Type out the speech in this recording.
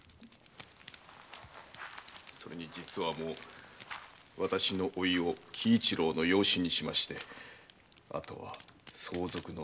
それに実はもう私の甥を喜一郎の養子にしましてあとは相続の手続きだけ。